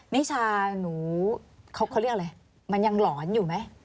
นิชาหนูเขาเรียกอะไรมันยังหลอนอยู่ไหม